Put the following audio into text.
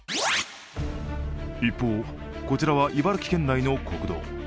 一方、こちらは茨城県内の国道。